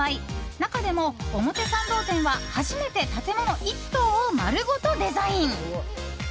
中でも表参道店は、初めて建物１棟を丸ごとデザイン。